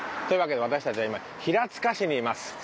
というわけで私たちは今平塚市にいます。